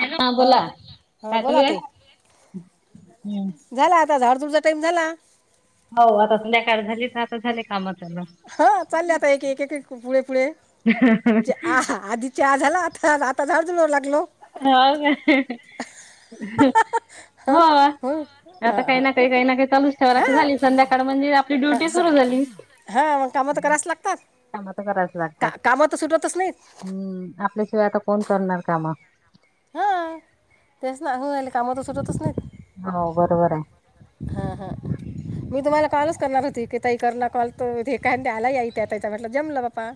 Hello हा बोला हा काय चालू बोला आहे? तई हम्म झाला आ झाडधूडचा टाइम झाला हो आता संध्या काळ झाली तर आता झाले कामाात हा चालले आता एक एक पुढे पुढे आ आधीच्या आ झाला आता आता झाड हो हां का हो हां आता हां काही हां ना काही काही ना काही चालूच ठेवायला हां झाली संध्याकाळ म्हणजे आपली ड्युटी सुरु झाली ग काम तर कराच लागतात काम तर करायच लागतात का कामं तर सुटतच नाहीत हम्म आपल्याशिवाय आता कोण करणार काम हा तेच ना हो आले कामात सुटतच नाही होा बरोबर आहे हा, हा मी तुम्हाला कालच करणार होती कही करणार कलतो हे आला त्या म्हटलं जमलं बापा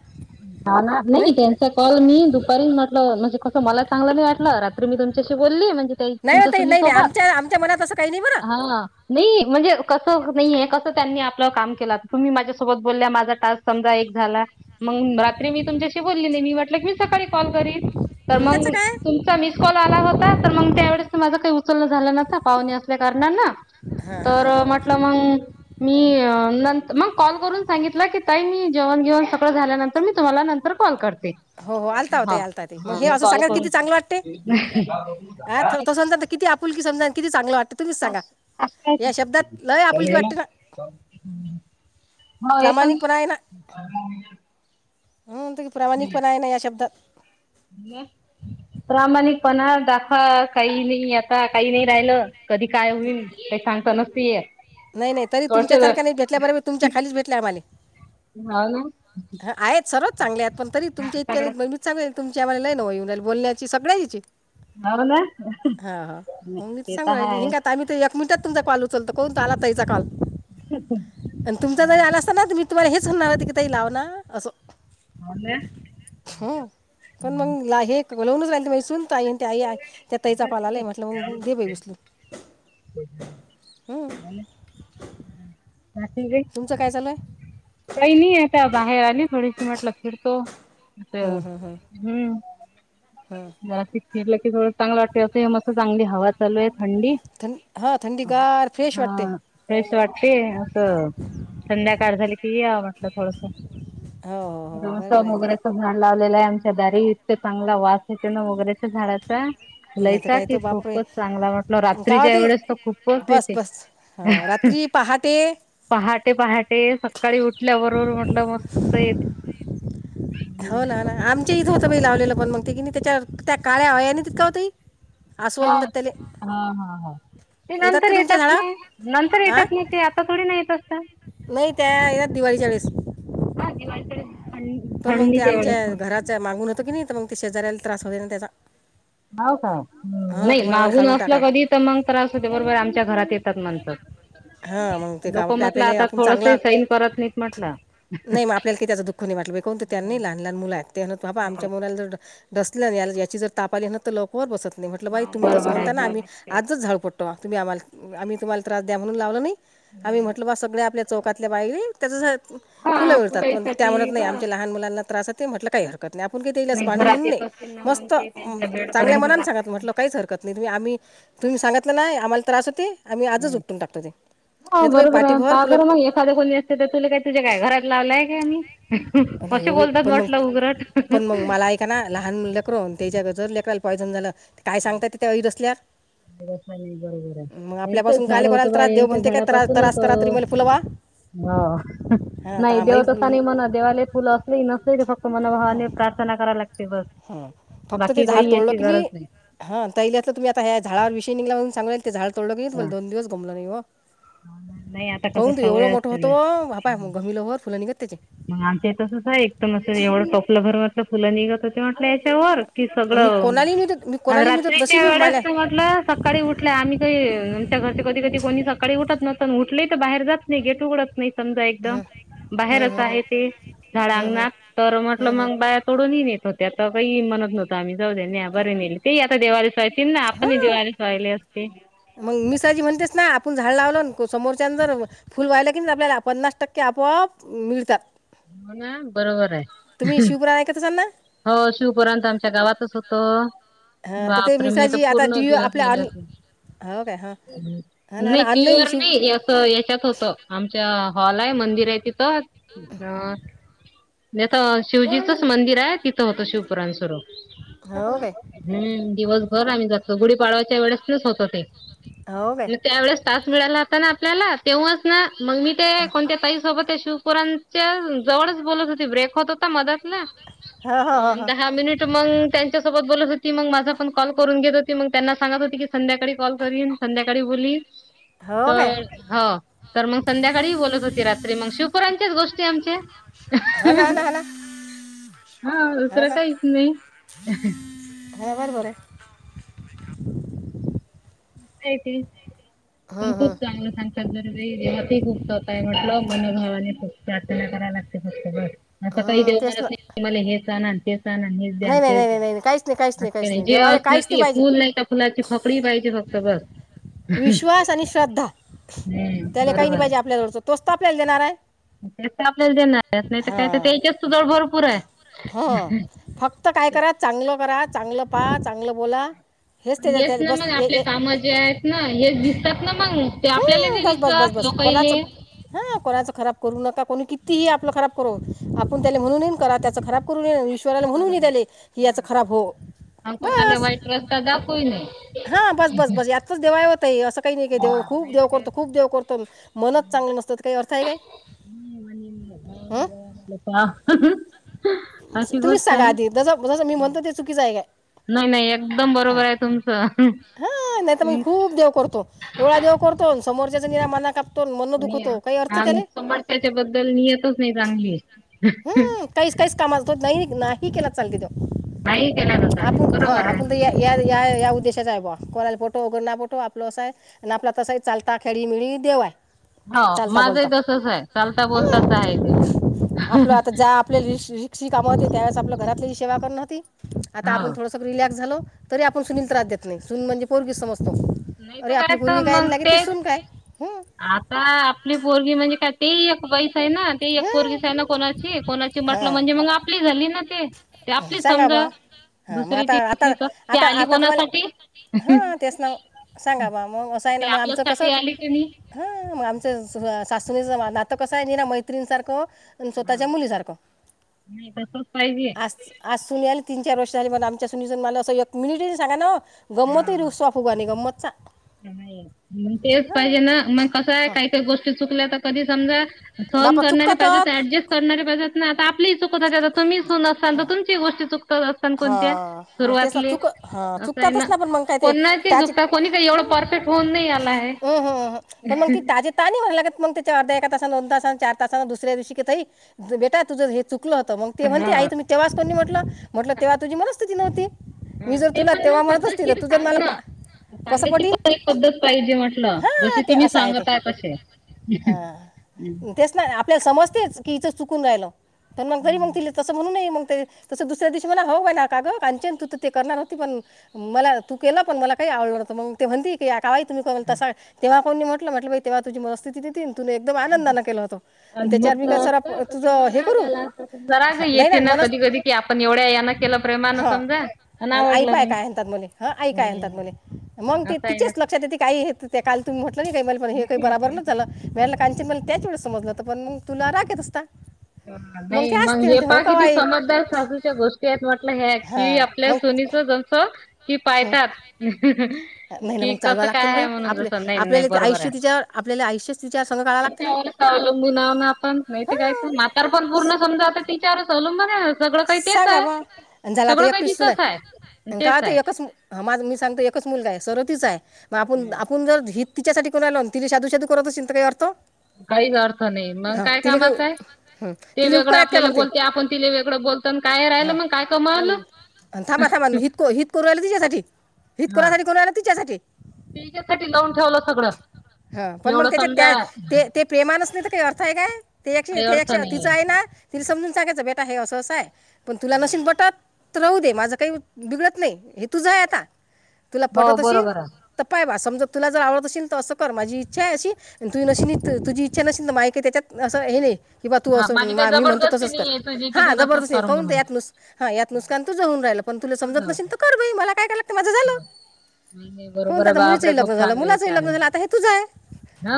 जाणार नाही त्यांचा कॉल मी दुपारी म्हटलं म्हणजे तं मला चांगलं नाही वाटलं रात मी तुमच्याशी बोलली म्हज नाही हो तुमच्या ताई सुनी नाही नाही सोबत आमच्या आमच्या मनात असं काही नाही बरं हा नाही म्हणजे कसं नाहीय कसं त्यांनी आपलं काम केलं तुम्ही माझ्यासोबत बोलल्या माझा टास्क समजा एक झाला मग रात्री मी तुमच्याशी बोलली नाही मी वाटलं की मी सकाळी कॉल करीन तर हं, त्याचं मग काय तुमचा मिस आला होता तर मग त्या वळेस माझ काही उचलण झालं नसता पाहणी असल्या कारणाना तर म्हटलं मंग मी नंत मग कॉल करून सांगितलं की ताई मी जेवण घेऊन झाल्यानंतर मीु्हाला नंतर कॉल करत हो हो आलता होते आता ते मग हे असं कॉल सांगा करून किती चांगलं वाटते अ तस िती आपुल क समज कि चांग वाट अस आस हाय लय आपुलकी वाटते ना का? हो ये पण प्रामाणिकपणा आहे हम्म तू म्हण प्रामाणिकपणा आहे ना या शब्दात प्रामाणिकपणा दाखवा काही नाही आ आता काही नाही, राहिलं कधी काय होईल ते सांगता नसत येत? नाही नाही तरी थोडसे तुमच्यासारख्या नाही, भेटल्याबर मी तुमच्या खालीच भेटले आम्हाले हो ना ह आहेतच सर चांगले आहेत, पण तरी हा तुमच्या इतक्या सगळं अन् माणूस चांगल्या नाहीत. तुमच्या आम्हाला लय आठवन येवू राहिली बोलण्याची, सगळ्याची हो ना हा हा मग मीच ते तर सांगू राहिली हाय हिंगा आता आम्ही तर, एक मिनिटात तुमचा कॉल उचलतो कोण? ताला ताईचा कॉल, अन् तुमचा जरी आला असता ना् मी तर तुम्हाला हेच म्हणणार की ताई लाव ना असं हो ना ह पण मग ला हे कवा लावूनच अलती माय सुून ते आई त्या ताईचा, कॉल आलाय म्हटलं मग दे बाई उचलून हं. [unintelligible] हम्म [unintelligible] तुमचं काय चालू हाय? काही नाही आता आता हं, हं, हं, हम्म. हं. जास्ती खेलं की थोडं चांगलं वाटतं, मस्त चांगली हवा चालू आहे थंडी थं हां हा थंडीगार फ्रेश वाटते हा फ्रेस वाटते असं संध्याकाळ झाली की, पियाव वाटलं थोडस हो हो हो बरोबर आहे ना मोगऱ्याच झाड लावलेलं हाय अमच्या दारी इतक चांगला वास येतो ना मोगरेच्या झाडाचा नाही लईच तर काय ताटीत तो बापरे खूपच चांगला वाटला, काय रात्रीच्या होते वेळेस तर खूपच बस येते. बस हां रात्री, पहाटे पहाटे पहाटे, सकाळी उठल्या बरोबर म्हटलं मस्त येत हो ना ना आमच्या इथं होतं बाई लावलेलं, पण मग ते की त्याच्या त्या काळ्या अळ्याने तित होती. हा हा हा हा ते नंतर का तुमच्या येतात ना झाडावर नंतर आ येतात ना ते आता थोडी ना येत असत नाही त्या यात दिवाळीच्या वेळेस हा दिवस पण मग ते आमच्या घराच मागून होतं की नाही तर मग ते शेजा्याला त्रास होते ना त्याचा हाव का हां तर नाही मग आम्हाला मागून काढून असल टाका कधी तर मग त्रास होते बरोबर आमच्या घरात येत तात मंत हा मग ते का आप आपल्याला आपण चांगला सैन करत नाहीत म्हटलं नाही मग आपल्याला का त्याच दुःख नाही वाटलं पाहिजे कोण त्यांनीही लहान लहान मुलं आहेत तेत बाबा आमच्या मुला सल्या याची जर ताप आली ना तर लवकरवर बत नाही म्हटलं बाई तुम्ही तसं म्हणता आम् आजच झाडपडतो तुम्ही आम्हाला आम्ही तुम्हाला त्रास द्या म्हणून लावलं नाही आम्ही म्हटलं बा सगळ्या आपल्या चौकातल्या बाहिले त्याच फुलं मिळतात पण त्या मत नाही आमच्या लहान मुलांना त्रासात म्हटलं काहीर आपू काय ते इल अस भांडण म्हणून नाही मस्त म चांगल्या मनान सांगत म्हटलं काहीच हरकत नाही तुम्ही आम्ही. तुम्ही सांगितलं नाही आम्हाला त्रास होती आम्ही आजच उपटून टाकतो ते. हो नाही तर बाई बरोबर पाठीभर आहे बर फुलं मग एखादे कोणी असते तर तुला काही तुझ्या काय घरात लावलंय का आम्ही. नाही असे हो बाई बोलतात पण मग, म्हटलं उघरट पण मग नाही मला ऐका ना लहान लेकरू अन् ते हीच्यान जर लेकाला पॉयझन झाल काय सांगता तिथ बरोबर आहे यांचंच झाड काले कोणाला होतं बा त्रास देऊ यांच्या म्हणते काय त्रास करा तरी [inaudible] [unintelligible] हां आता करा भाई लागते बस हां फक्त ते बाकी झाड काही तोडलं याची की गरज नाई. [unintelligible] नाही आता कसं सवय असते [unintelligible] [unintelligible] कि आणि सगळं मी कोणालाही नव्हतं मी आणि कोणालाही नव्हतं जशी रात्रीच्या मी वेळेस मला म्हटलं सकाळी उठल्या आम्ही काही आमच्या घरच्या कधी कधी कोणी सकाळी उठलं उठले तर बाहेर जात नाही गेट उघडत नाही समजा एकदम हां बाहेरच हां हां आहे ते हां झाडांना तर म्हटलं मग बाया तोडूनही न येत हो त्या आता काही म्हणत नवत आम्ही जाऊ दे्या बरे नेले ते आता देवाला साहेब मग मिसाजी म्हणतेस ना आपण झाड लावल समोरच्या जर फुल वा्हायला की आपल्याला पन्नास टक्के आपोआप मिळतात हो ना बरोबर आहे तुम्ही शिवपुराण ऐकत असां ना? हो शिवपुरण तर आमच्या गावातच होत हां तर ते बापरे मी तर मिसाजी आता पूर्ण टी व्ही दिवस आपल्या ऑन गेलेते नाही हो काय हां हा ना हा ना टी. वी. ऑनलाईन शिव नाही अस याच्यात होत आमच्या हॉल आहे मंदिर आहे तिथं अ म्हेता शिवजीचंच मंदिर आहे तिथं होतं शिवपुराण स्वरूप हो काय हम्म दिवसभर आम्ही जातलो गुढीपाळवायच्या वेळेस नच होत ते हो काय त्या वेळेस तास मिळाला होता ना आपल्याला तेव्हाच ना मग मी ते कोणत्या ताईसोबत शिवपुरांच्या जवळच बोलत होते ब्रेक होत होता मदतला हो हो हो दहा मिनिट मग त्यांच्या सोबत बोलत हो ती मग माझा पण कॉल करून घेत होती मग त्यांना सांगत होती की संध्याकाळी कॉल करीन संध्याकाळी बोलीन हो हो काय तर हो तर मग संध्याकाळी बोलत होती रात्री मग शिवपर्यंत च गोष्टी आमच्या हो ना, ना ह ना हा हो दुसरं ना काहीच नाही हो बार बर यती पण हं, खूप हं. चांगलं सांगतात जर भाई जवत खूप स्वतःय म्हटलं मनोभावाने प्रार्थना कराला लागते फक्त ब असता काही हं, देव तेच ना मारत नाही मला हे जा ना न द्या नाही नाही तेच नाही द्या नाही नाही काहीच नाही काहीच अस काहीच नाही जे देवाले असलं काहीच ते फुल पाहिजे नाही त्या फुलाची फकडी पाहिजे फक तर बस विश्वास आणि श्रद्धा हम्म त्याला काही नाही पाहिजे आपल्या जळच तोस्त आपल्याला देणार आहे ते आपल्याला ज नाही तर काय तर हां त्याच्याच त जळ भरपूर आहे हां फक्त काय करा चांगलं करा चांगलं पाहा चांगलं बोला हेच त्याच्या येस त्या ना बस मग ए आपल्या ए काम जे आहेत ना येस दिसतात ना मग ते आपल्याला नाही दिस कच हा कणाच खराब नकाणी किती आप खराब कर आप त्या म्हण करा त्या खब करू शला करू म्हणून नये. दिले की याच हम्म खराब हो आणि कोणाला वाईट रस्ता दाखव नाही हा बस बस बस यातच देवायवत आहे असं काही नाही देव हा खूप देव नाहीतर करतो खूप देव करतो मनच चांगली असत काही अर्थ आहे काय हं? म्हवा पाव अशी गोष्ट सांग आहे. आधी जसं जस मी म्हणतो ते चुकीच आहे नाही नाही एकदम काय बरोबर आहे तुमचं. हा नाही तर मी खूप देव करतो एवढा देव करतो समोरच्याचा निराम मना का आमचं त्याच्या बद्दल नियतच नाही चांगली हम काही काहीच कामालत नाही नाही केला चालते त नाही केला तर चालते आपण हा बरोबर आहे. आपण तर या या उद्देशाचा आहे बा कोराला फोटो उगरना फोटो आपलो असं आहे आणि आपला तसं आहे चालता खेळी मिळी देवाय हो माझही तसच आहे चालता बोलताच हम्म. आहे देव आपलं आता ज्या आपल्या पक्षी कामा होती त्यावेळेस आपलं घरातली ह सेवा करण होती आता हा आपण थोडंसं रिलॅक्स झालो तरी आपण सुनील त्रास देत नाही सुनी म्हजे पोरगी सम नाही तर काय तर मग तेच सून काय हम्म. आता आपली बोरगी म्हणजे काय ते एक पैस आहे ना ते एक हम्म. बोरगीस आहे ना कोणाची म्हट हां म्हे आपली झाली ते ते आपली समजा हा मग आता दुसरीची आता घेतली तर ते आता आली आता तुम्हाला कोणासाठी हा तेच नाव सांगा बा मग असं आहे ते ना मग आमचं आपल्यासाठी कसं आली की नाही ह ग आमच सासुणीचं नातं कसं आहे ना मैत्रीिणीसारखं हा नाही तसच पाहिजे आज सुनी आली तीन चार वर्ष झाली मग आमच्या सुनीून मला असं एक मिनिट सांगा ना गंमत रुसवा फुगाणी गंमतचा हम् तेच हां पाहिजे ना मग कस आहे हां काही काही गोष्टी चुकल्या तर कधी समजा सहन बापा करणार चुकतातच आप चुकत तुम्ही असाल तर तुमची गो चुकत हा मग त्यास चुक ह चुकतातच ना पण मग काय ते कोणाची त्याचे चुकता कोणी काही एवढं परफेक्ट होऊन नाही आला आहे. हम् हम पण मग ति ताजे तानी म्ह्हायलाग मग त्याच्या अर्ध एका ता दो त चार ता दुसऱ्या दिवशी बेटा तुझ चु चुकलं होत म ते म्हणते हा आ तु तेव्हा को म्हटलं म्हटलं तेव्हा तझी मनस्थिती नव्हती मी हम्म. जर तुला तेव्हा म्हणतच ति तर तू जर मला कसं सांगाची पटील पण एक पद्धत पाहिजे म्हटलं जसे तुम्ही सांगता आ कसे हा तेच ना आपल्याला समजतेच की इथ तुसऱ्या दिवशी मला हो काई ना कागं कारचन तू तर ते करणार होती पण मला तू केला पण मला काही आवडलं होतं मग ते म्हणती की काई तुम्ही तसा तेव्हा कोणी म्हट म्हटलं बाई तेव्हा तुझ मनस्थिती देतील त एकदम आनंदा के होत त्याच्यावर मी का तुझं हे करू जरा ग नाही येते म ना कधी कधी आपण ोड्या यान केलं प्रेमान हां समजा आणि आई आवडलं पाय काय म्हणतात मले हां आई काय म्हणतात नाहीम् मले मग ते तिच्याच लक्षात येते काही ते काल तुम्ही म्हटलं नाही काही मला पण हे काही बराबर नच झालं व्यायला काांचन मला त्याचेळेस समजलं तर पण मग तुला रागेत असता ते नाही मग असते हे म्हणते प हो का किती आई समजदार सासूच्या गोष्टी आहेतठ ह की हां आपल्या मग सोनीच जस की पाळतात नाही ना मग चालवा लागते ना बाई आपले नाही नाही आपल्याला ते बरोबर आयुष्य आहे. तिच्या आपल्याला आयुष्य तिच्या संघ काळावा लागते ना अवलंबूनव आपण मा काय हां मातार पण पूर्ण समजाता तीचारच अवलंबून सगळं काही तेच सांगा आहे. म आणि झाला आता सगळं काही एकटीस सुना तिचंच आणि आहे का तेच आता आहे एकच ह माझ मी सांगतो एकच मुलगा आहे सर्वतीच आहे मग आपण आपण जर हित तिच्यासाठी कोणालाो ति साधू सादू करतच चिं काही अर्थ काहीच अर्थ नाही मग हा काय तिले का कामाचं आहे. ह ते तिले वेगळं उपकार आहेत का आपल्याला मग ते बोलते आपण तिला वेगळं बोलतो आणि काय राहिलं हा मग काय कमावलं. अ थांबा थांमा हित हित करूला तिच्यासाठी हितकुरासाठी करूय ना तिच्यासाठी ठीक आहेथटि लावून ठेवलं सगळं ह पण मग एवढं त्याच्या त्या समजा ते ते प्रेमानच नाही तर काही अर्थ आहे काय ते काही अर्थ ते नाहीये. तिचं आहे ना तिने समजून सांगायचं बेटा हे असं असं आहे पण तुला नशीन पटत तर राहू दे माझं काही बिघडत नाही हे तुझं आहे आता तुला हो पटत असेल बरोबर आहे. तर पाय बा समजा तुला जर आवडत असेल तर असं माझी इच्छा आहे अशी तु नस तुझी इच्छा नसेील तर मा का त्याच्यात असं हे नाही कि बा तू हा असं माझी काही मी म्हणतो जबरदस्ती तसंच कर नाहीये तुझी की हा तू तसंच जबरदस्ती कर करून म्हणून. यात नुस हा यात नुसकान तूझऊन राहिला पण तुला तुझं समजत नसल होतंय. तर कर मला काय ते माझं झालं नाही नाही बरोबर कोणत आहे आता बापरे मुलीचंही खूप लग्न झालं चांगले मुलाचंही विचार लग्न आहे झालं आता हे तूच आहे हा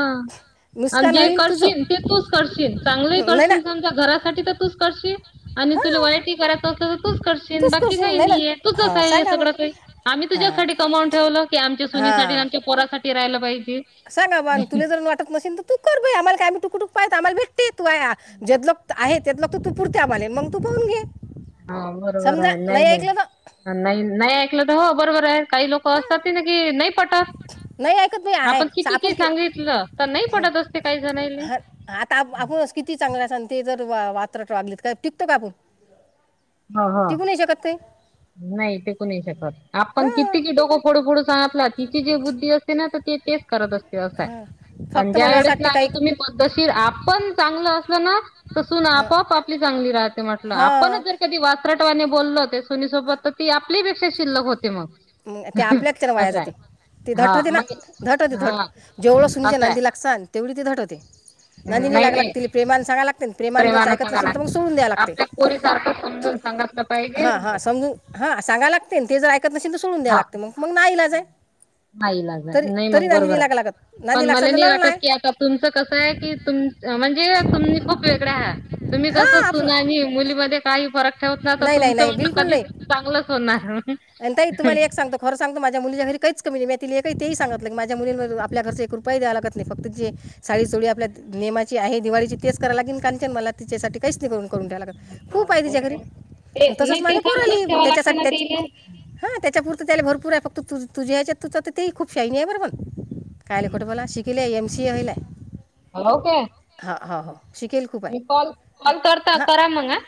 आणि नुकसान जे होईल तुझं करशील ते तूच करशील चांगले नाही ना करशील समजा घरासाठी तर तूच करशील आणि तुला हां वयाटी करायचं असत तर तूच करशीलन तूच बाकी करशील काही नाही ना नाहीय तूच हां आहे सांगा बा सगळं काही आम्ही हां तुझ्यासाठी कमावून ठेवलं की आमच्या सुनीसाठी आमच्या पोरासाठी राहिलं पाई सांा बन तुला जर वाट नसेन तर तू कर ब आम्हाला काम्हीुक टुक पाह आमला भेट ते तू जल आहे तेतलग तू तू पुरते आमले मग तू पाहून घे हा बरोबर समजा आहे नाही ऐकलं तर नाही नाही नाही ऐकलं तर हो बरोबर आहे काही लोक असतात ती ना की नाही पटात नाही ऐकत बाई आहे आपण स- किती के सांगितलं तर नाही पडत असते काही जणायले स किती चांगलं आणि ते जर वात्र वागलेत काय टिकतं का आपण हो हो टिकू नाही शकत काही नाही टिकू नाही शकत आपण हां किती कि डोकं फोडू फोडू सांगतला तिची जे बुद्धी असते ना ते कररा दसतते असं आणि फक्त ज्या मला असं वेळेस वाटते ना आता काही तुम्ही पद्धतशीर आपण चांगलं असलं ना तसून आपप आपली च राह म्हट आपण हां जर कधी वासरटवाने बोलल हो सोनीसोबत तर ती आपलीपेा शिल्क होते मग. ते आपल्याच त्यान वाया असं आहे जाते ते हा धटवते ना मग धटवते धट हा जेवळं सुनीच्या असं आहे. नांदी लागत तेवढी ती टवते नंदिनी नाही लागलाग नाही ति प्रेमाने सगय लाग प्रेमा जर प्रेमानं ऐकत सांगायला नसेल तर मग लागते. सोडून द्या लागते आपल्या पोरीसारखं समजून सांगितलं हा हा पाहिजे. समून हां सांगाय लागते ना ते जर ऐकत नसेन तर सोडून द्याय लागते मग ना आईला जा आहे आईला तरी नाही तरी मग बरोबर नांदीनी आहे लागा लागत नांदी पण मला लागसान तर नाही लढ वाटत की आता तुमचं कसं आहे की तुम म्हणजे तुम्ही खूप वेगळ्या ह तुम्ही तस हां आपलं सुना मुलीमध्ये काही फरक ठेवत ना तर नाही नाही तुमच नाही म्हटलं बिलकुल कधीच नाही चांगलंच आणि ताई होणार तुम्हाला एक सांगतो खरं सांगतो माझ्या मुलीच्या घरी काहीच कमी नाही ते सांग माझ्या मुलीं आपल्या घर रुप द्या लागत नाही फक्त जे साडी चोडी आपल्याेमाची आहे क मला त्याच्यासाठीहीूनून त ते नाही मा ते सांगूनच ठेवा लागते ना प तेले. त्या त्या त्याला भरपूर आहे फक्त त तुझ्याच्या त ते खूप शानी आहे बर पण कायले खोट मला शिकले. [unintelligible] के शिकेल खूप म आहे कॉल कॉल करता करा मग हा.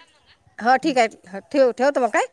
हा ठीक आहे ठेव ठेवत मग काय.